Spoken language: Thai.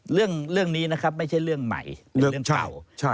เรื่องนี้นะครับไม่ใช่เรื่องใหม่เป็นเรื่องเก่า